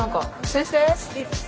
先生